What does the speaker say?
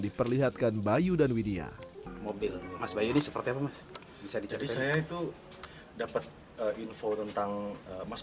diperlihatkan bayu dan widya mobil mas bayu ini seperti apa mas bisa dicari saya itu dapat info tentang mas